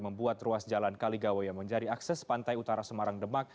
membuat ruas jalan kaligawa yang menjadi akses pantai utara semarang demak